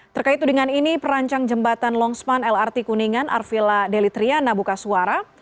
terkait tudingan ini perancang jembatan longspan lrt kuningan arvila delitriana buka suara